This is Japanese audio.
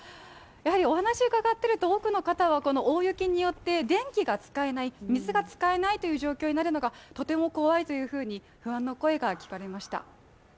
お話を伺っていると多くの方はこの大雪によって、電気が使えない、水が使えないという状況になるのがとても怖いと不安の声が聞かれました。